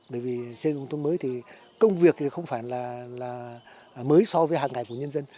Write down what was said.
bởi vì xây dựng nông thôn mới thì công việc không phải là mới so với hàng ngày của nhân dân